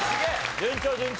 順調順調。